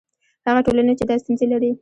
هغه ټولنې چې دا ستونزې لري.